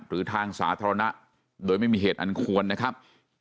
หรือทางสาธารณะโดยไม่มีเหตุอันควรนะครับ